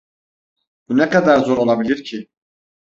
Bu ne kadar zor olabilir ki?